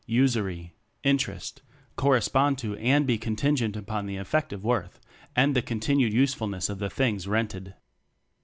"usury," "interest," correspond to and be contingent upon the effective worth and the continued usefulness of the things rented.